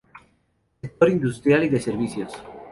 Sector industrial y de servicios.